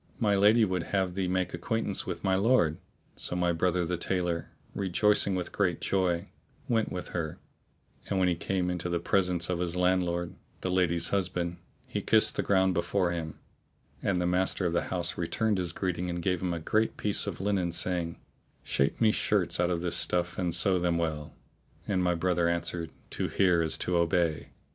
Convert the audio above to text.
My lady would have thee make acquaintance with my lord." So my brother the tailor, rejoicing with great joy, went with her; and when he came into the presence of his landlord, the lady's husband, he kissed the ground before him, and the master of the house returned his greeting and gave him a great piece of linen saying, "Shape me shirts out of this stuff and sew them well;" and my brother answered, "To hear is to obey."